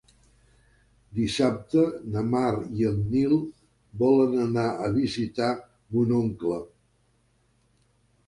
Dissabte na Mar i en Nil volen anar a visitar mon oncle.